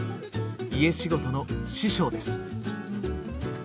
家仕事の師匠です。